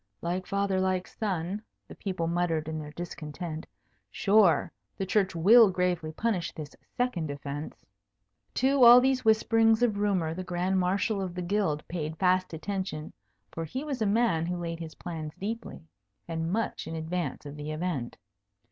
"Like father like son," the people muttered in their discontent. "Sure, the Church will gravely punish this second offence." To all these whisperings of rumour the Grand Marshal of the Guild paid fast attention; for he was a man who laid his plans deeply, and much in advance of the event.